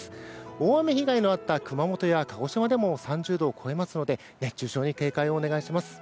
大雨被害のあった熊本や鹿児島でも３０度を超えますので熱中症に警戒をお願いします。